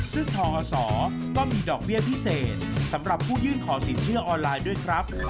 ซึ่งทอศก็มีดอกเบี้ยพิเศษสำหรับผู้ยื่นขอสินเชื่อออนไลน์ด้วยครับ